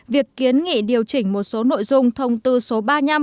việc kiến nghị điều chỉnh một số nội dung thông tư số ba mươi năm hai nghìn một mươi bảy